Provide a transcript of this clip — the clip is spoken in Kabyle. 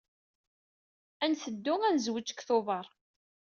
Ad nteddu ad nezweǧ deg Tubeṛ.